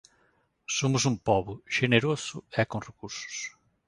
Somos un pobo xeneroso e con recursos.